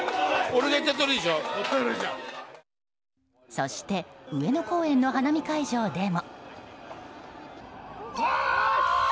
そして上野公園の花見会場でも。